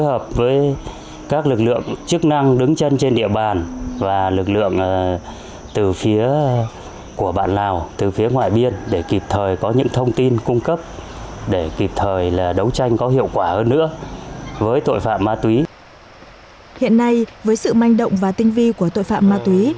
hiện nay với sự manh động và tinh vi của tội phạm ma túy